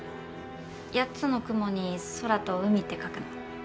八つの雲に空と海って書くの。